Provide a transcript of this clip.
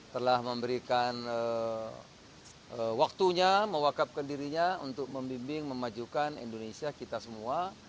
telah memberikan waktunya mewakapkan dirinya untuk membimbing memajukan indonesia kita semua